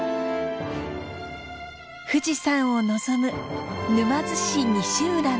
富士山を望む沼津市西浦の浜。